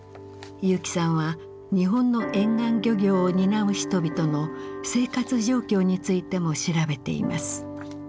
結城さんは日本の沿岸漁業を担う人々の生活状況についても調べています。